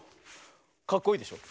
かっこいいでしょ。